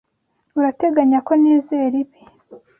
Urateganya ko nizera ibi?